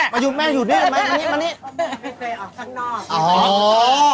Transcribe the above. ไม่เคยออกข้างนอก